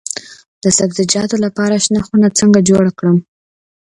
د سبزیجاتو لپاره شنه خونه څنګه جوړه کړم؟